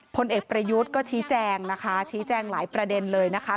พลเอกประยุทธ์ก็ชี้แจงนะคะชี้แจงหลายประเด็นเลยนะคะ